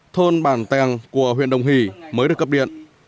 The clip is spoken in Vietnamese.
thôn bản tèng của huyện đồng hỷ mới được cấp điện